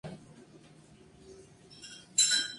Está a favor del ajuste de la deuda.